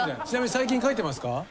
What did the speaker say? ちなみに最近帰ってますか？